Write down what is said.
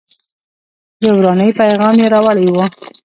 د ورانۍ پیغام یې راوړی و.